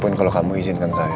pun kalau kamu izinkan saya